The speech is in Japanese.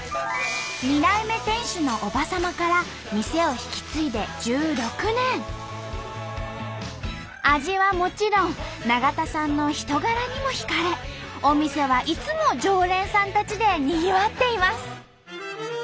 ２代目店主の叔母様から味はもちろん永田さんの人柄にも惹かれお店はいつも常連さんたちでにぎわっています。